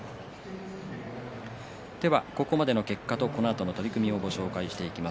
ここまでの結果とこのあとの取組をご紹介していきます。